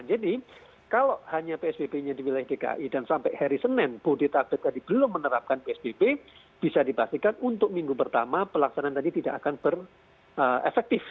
jadi kalau hanya psbb nya di wilayah dki dan sampai hari senin bodetabek tadi belum menerapkan psbb bisa dibastikan untuk minggu pertama pelaksanaan tadi tidak akan ber efektif